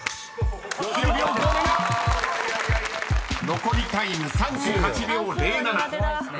［残りタイム３８秒０７］